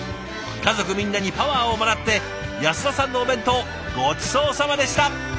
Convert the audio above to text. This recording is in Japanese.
家族みんなにパワーをもらって安田さんのお弁当ごちそうさまでした！